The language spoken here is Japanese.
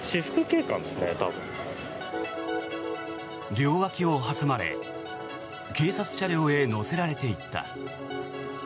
両脇を挟まれ警察車両へ乗せられていった。